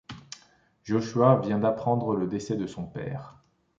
Joshua vient d'apprendre le décès de son père.